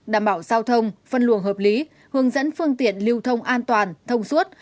đảm bảo giao thông phân luồng hợp lý hướng dẫn phương tiện lưu thông an toàn thông suốt